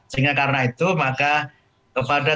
sehingga karena itu maka kepada